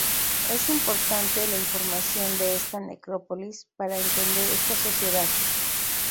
Es importante la información de esta "necrópolis" para entender esta sociedad.